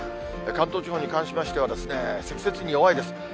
関東地方に関しましては、積雪に弱いです。